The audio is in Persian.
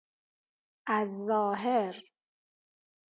از ظاهر